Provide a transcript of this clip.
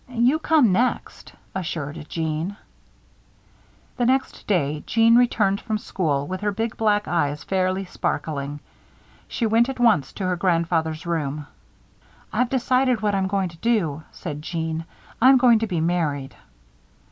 "You come next," assured Jeanne. The next day Jeanne returned from school with her big black eyes fairly sparkling. She went at once to her grandfather's room. "I've decided what I'm going to do," said Jeanne. "I'm going to be married."